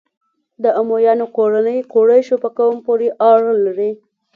د امویانو کورنۍ قریشو په قوم پورې اړه لري.